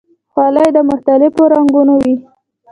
خولۍ د مختلفو رنګونو وي.